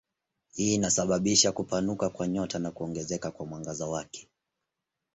Hii inasababisha kupanuka kwa nyota na kuongezeka kwa mwangaza wake.